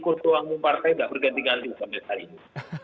kursus uangmu partai tidak berganti ganti sampai saat ini